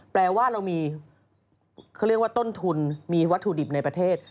แปลว่าเรามีเขาเรียกว่าต้นทุนมีวัตถุดิบในประเทศ